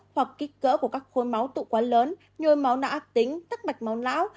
hoặc kích cỡ của các khối máu tụ quá lớn nhồi máu não ác tính tắc mạch máu não